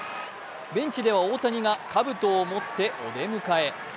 ベンチでは大谷が、かぶとを持ってお出迎え。